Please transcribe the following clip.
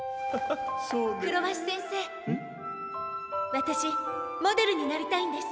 わたしモデルになりたいんです。